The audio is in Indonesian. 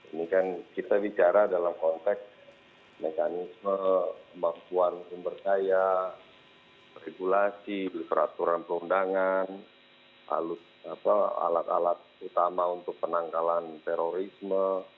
ini kan kita bicara dalam konteks mekanisme kemampuan sumber daya regulasi peraturan perundangan alat alat utama untuk penangkalan terorisme